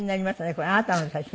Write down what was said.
これあなたの写真？